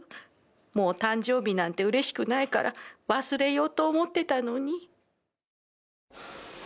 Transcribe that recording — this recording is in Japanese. もう誕生日なんてうれしくないから忘れようと思ってたのに。